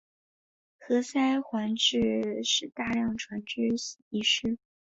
何塞还致使大量船只遗失。